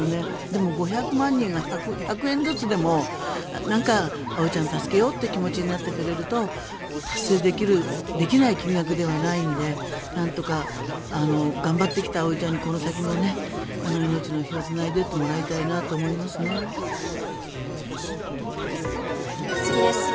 でも５００万人が１００円ずつでもなんか、葵ちゃんを助けようという気持ちになってくれると達成できない金額ではないのでなんとか頑張ってきた葵ちゃんにこの先も命の火をつないでいってもらいたいなと思いますね。